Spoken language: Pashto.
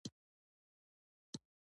ده په کړس کړس وخندل چې هلکه یې شینواری.